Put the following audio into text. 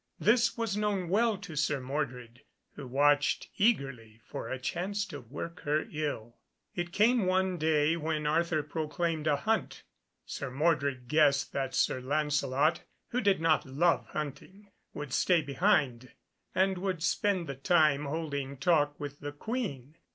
This was known well to Sir Mordred, who watched eagerly for a chance to work her ill. It came one day when Arthur proclaimed a hunt. Sir Mordred guessed that Sir Lancelot, who did not love hunting, would stay behind, and would spend the time holding talk with the Queen.